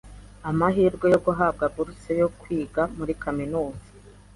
amahirwe yo guhabwa buruse yo kwiga muri kaminuza.